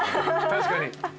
確かに。